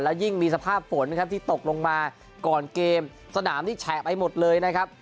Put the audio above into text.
ยิ่งมีสภาพฝนนะครับที่ตกลงมาก่อนเกมสนามนี่แฉะไปหมดเลยนะครับ